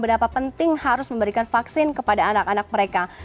betapa penting harus memberikan vaksin kepada anak anak mereka